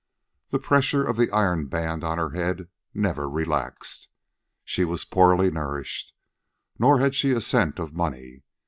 The pressure of the iron band on her head never relaxed. She was poorly nourished. Nor had she a cent of money.